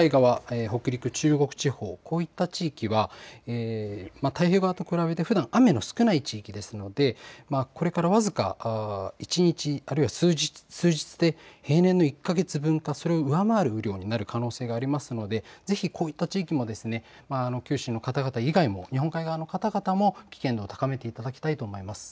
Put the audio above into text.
こういった日本海側北陸、中国地方こういった地域が太平洋側と比べてふだん雨の少ない地域ですのでこれから僅か一日あるいは数日で平年の１か月分かそれを上回る雨量になる可能性がありますのでぜひ、こういった地域も九州の方々以外も日本海側の方々も危険度を高めていただきたいと思います。